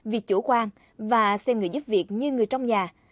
vì chủ quan và xem người giúp việc như người trong nhà